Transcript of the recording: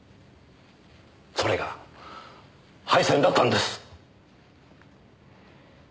それが敗戦だったんです。